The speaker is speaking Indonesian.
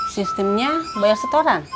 sistemnya bayar setoran